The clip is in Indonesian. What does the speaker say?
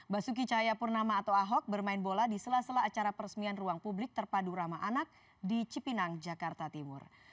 basuki cahayapurnama atau ahok bermain bola di sela sela acara peresmian ruang publik terpadu ramah anak di cipinang jakarta timur